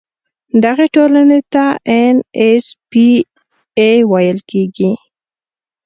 دغه ټولنې ته ان ایس پي اي ویل کیږي.